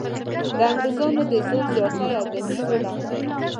د انګریزانو د زور زیاتي او دسیسو له امله.